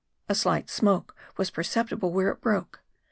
A slight smoke was perceptible where it broke.